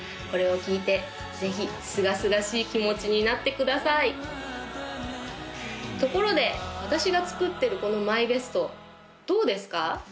これを聴いてぜひすがすがしい気持ちになってくださいところで私が作ってるこのＭＹＢＥＳＴどうですか？